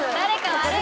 悪い！